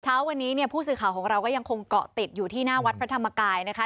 เช้าวันนี้เนี่ยผู้สื่อข่าวของเราก็ยังคงเกาะติดอยู่ที่หน้าวัดพระธรรมกายนะคะ